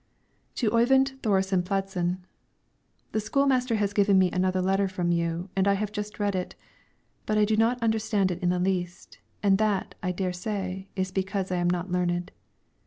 TO OYVIND THORESEN PLADSEN: The school master has given me another letter from you, and I have just read it, but I do not understand it in the least, and that, I dare say, is because I am not learned.